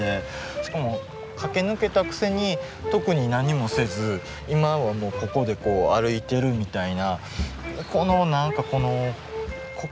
しかも駆け抜けたくせに特に何もせず今はもうここで歩いてるみたいな。